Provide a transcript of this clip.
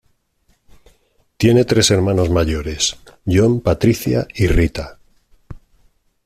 Tiene tres hermanos mayores, John, Patricia y Rita.